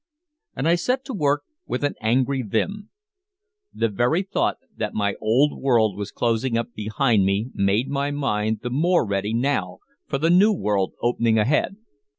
And I set to work with an angry vim. The very thought that my old world was closing up behind me made my mind the more ready now for the new world opening ahead.